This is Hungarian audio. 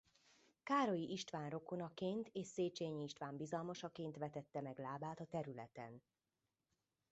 Károlyi István rokonaként és Széchenyi István bizalmasaként vetette meg lábát a területen.